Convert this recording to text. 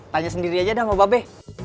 tanya sendiri aja dah mbak be